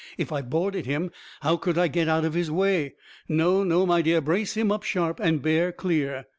If I boarded him, how could I get out of his way? No, no, my dear, brace him up sharp, and bear clear."